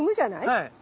はい。